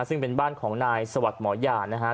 ซึ่งเป็นบ้านของนายสวัสดิ์หมอยานะฮะ